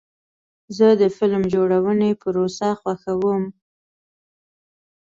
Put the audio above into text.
زه د فلم جوړونې پروسه خوښوم.